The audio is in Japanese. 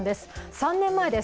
３年前です。